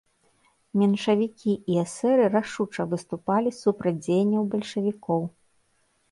Меншавікі і эсэры рашуча выступалі супраць дзеянняў бальшавікоў.